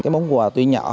cái bóng quà tuy nhỏ